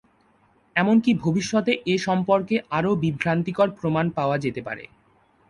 এমনকি ভবিষ্যতে এ সম্পর্কে আরো বিভ্রান্তিকর প্রমাণ পাওয়া যেতে পারে।